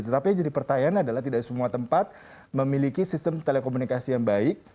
tetapi yang jadi pertanyaan adalah tidak semua tempat memiliki sistem telekomunikasi yang baik